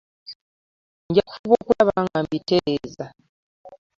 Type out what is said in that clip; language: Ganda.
nja kufuba okulaba nga mbitereeza.